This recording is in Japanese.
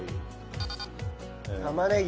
玉ねぎ。